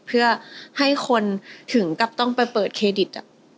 เพื่อให้คนถึงกับต้องไปเปิดเครดิต